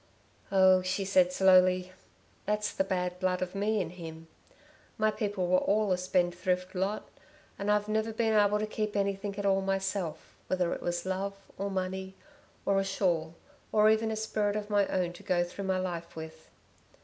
"Oh," she said, slowly, "that's the bad blood of me in him. My people were all a spendthrift lot, and I've never been able to keep anything at all myself, whether it was love, or money, or a shawl, or even a spirit of my own to go through my life with."